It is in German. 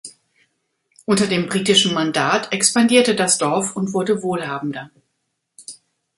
Unter dem britischen Mandat expandierte das Dorf und wurde wohlhabender.